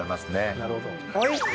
なるほど。